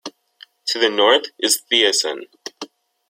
To the north is Thiessen.